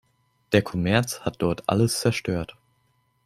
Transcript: Der Kommerz hat dort alles zerstört.